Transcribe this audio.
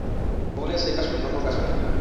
Jules se casó en dos ocasiones.